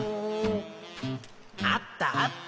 あったあった